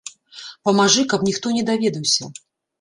Памажы, каб ніхто не даведаўся.